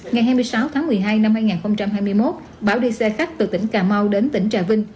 ngày hai mươi sáu tháng một mươi hai năm hai nghìn hai mươi một bảo đi xe khách từ tỉnh cà mau đến tỉnh trà vinh